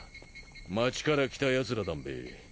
街から来たヤツらだんべ。